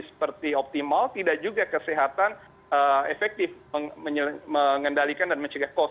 seperti optimal tidak juga kesehatan efektif mengendalikan dan mencegah covid sembilan